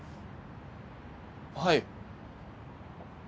はい。